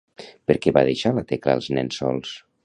Per què va deixar la Tecla els nens sols?